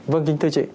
vâng kính thưa chị